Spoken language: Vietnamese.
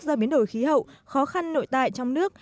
do biến đổi khí hậu khó khăn nội tại trong nước